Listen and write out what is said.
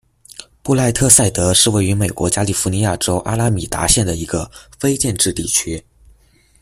布赖特赛德是位于美国加利福尼亚州阿拉米达县的一个非建制地区。